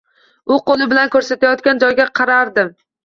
U qoʻli bilan koʻrsatayotgan joyga qaradim.